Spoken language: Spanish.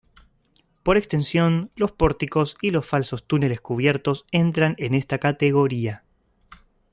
Por extensión, los pórticos y los falsos túneles cubiertos entran en esta categoría.